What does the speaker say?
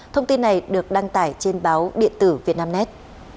thông tin này được đăng tải trên báo điện tử vnnet